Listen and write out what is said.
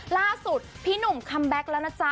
ล่าสุดพี่หนุ่มคัมแบ็คแล้วนะจ๊ะ